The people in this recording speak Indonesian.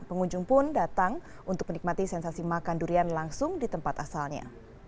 pengunjung pun datang untuk menikmati sensasi makan durian langsung di tempat asalnya